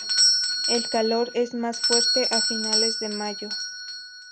El calor es más fuerte a finales de mayo.